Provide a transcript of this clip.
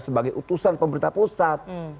sebagai utusan pemerintah pusat